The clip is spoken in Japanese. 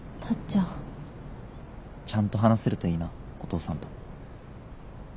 タッちゃん。ちゃんと話せるといいなお父さんと。